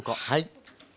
はい。